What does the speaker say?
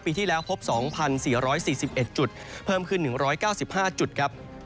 ปีที่แล้วพบ๒๔๔๑จุดเพิ่มขึ้น๑๙๕จุดครับ